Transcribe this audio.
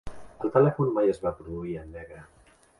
El telèfon mai es va produir en negre.